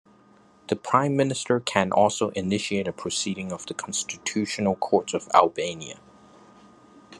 The Prime Minister can also initiate a proceeding of the Constitutional Court of Albania.